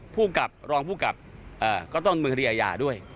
ผู้กลับรองผู้กลับก็ต้องมึงเรียยาด้วย